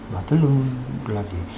và tất luôn là gì